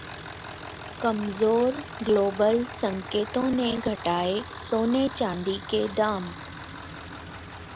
कमजोर ग्लोबल संकेतों ने घटाए सोने-चांदी के दाम